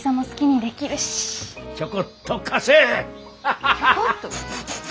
ちょこっと？